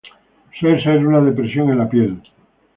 Suele ser una depresión en la piel.